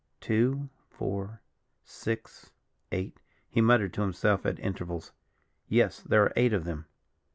"Two, four, six, eight," he muttered to himself at intervals. "Yes, there are eight of them."